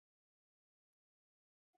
په افغانستان کې د زمرد منابع شته.